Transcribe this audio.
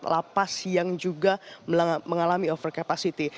banyak sekali tempat lapas yang juga mengalami over capacity